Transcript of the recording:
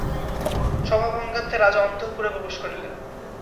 সভাভঙ্গান্তে রাজা অন্তঃপুরে প্রবেশ করিলেন।